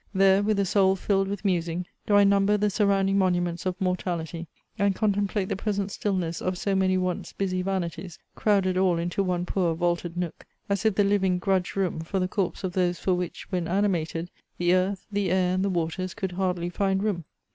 There, with a soul filled with musing, do I number the surrounding monuments of mortality, and contemplate the present stillness of so many once busy vanities, crowded all into one poor vaulted nook, as if the living grudged room for the corpse of those for which, when animated, the earth, the air, and the waters, could hardly find room.